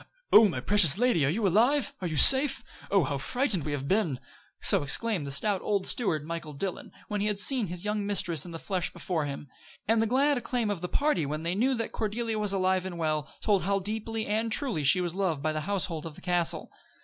"Oh, my precious lady, are you alive? Are you safe? Oh! how frightened we have been." So exclaimed the stout old steward, Michael Dillon, when he had seen his young mistress in the flesh before him. And the glad acclaim of the party, when they knew that Cordelia was alive and well, told how deeply and truly she was loved by the household of the castle.